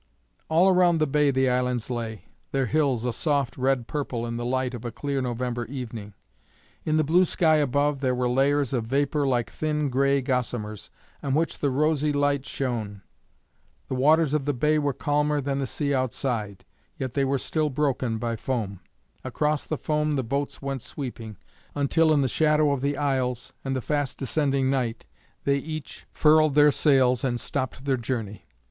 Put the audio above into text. All around the bay the islands lay, their hills a soft red purple in the light of a clear November evening. In the blue sky above there were layers of vapour like thin gray gossamers, on which the rosy light shone. The waters of the bay were calmer than the sea outside, yet they were still broken by foam; across the foam the boats went sweeping, until in the shadow of the isles and the fast descending night they each furled their sails and stopped their journey.